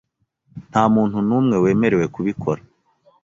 Nta muntu n'umwe wemerewe kubikora .